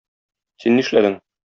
Син нишләдең?